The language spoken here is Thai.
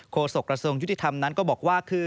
โฆษกระทรวงยุติธรรมนั้นเดี๋ยวเขาบอกว่า